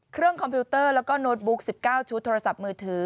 คอมพิวเตอร์แล้วก็โน้ตบุ๊ก๑๙ชุดโทรศัพท์มือถือ